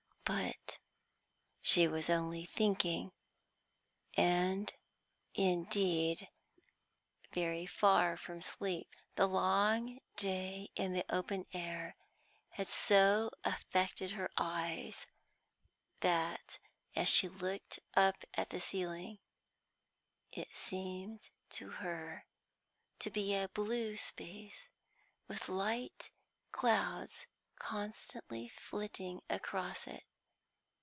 But she was only thinking, and indeed very far from sleep. The long day in the open air had so affected her eyes that, as she looked up at the ceiling, it seemed to her to be a blue space, with light clouds constantly flitting across it.